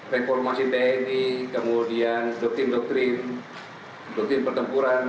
reformasi tni kemudian doktrin doktrin doktrin pertempuran